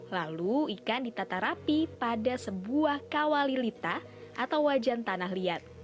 lalu ikan ditata rapi pada sebuah kawalilita atau wajan tanah liat